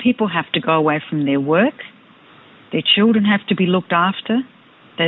orang orang harus pergi dari kerja mereka